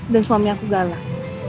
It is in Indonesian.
dan suami aku galah